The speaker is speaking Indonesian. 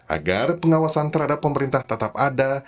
agar pengawasan terhadap pemerintah tetap ada